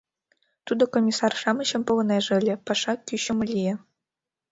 Тудо комиссар-шамычым погынеже ыле — паша кӱчымӧ лие.